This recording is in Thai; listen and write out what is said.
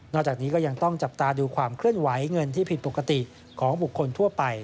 จากนี้ก็ยังต้องจับตาดูความเคลื่อนไหวเงินที่ผิดปกติของบุคคลทั่วไป